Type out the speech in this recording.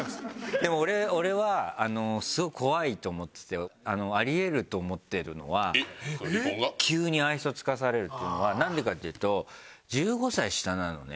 でも俺はすごく怖いと思っててあり得ると思ってるのは急に愛想尽かされるっていうのは何でかっていうと１５歳下なのね。